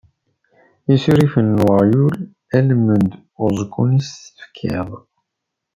Isurifen n uɣyul almend uẓekkun i s-tefkiḍ.